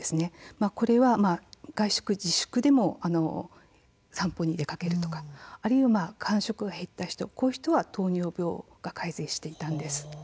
これは外出自粛でも散歩に出かけるとかあるいは間食が減った人こういう人は糖尿病が改善していたんです。